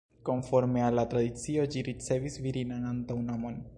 Konforme al la tradicio, ĝi ricevis virinan antaŭnomon.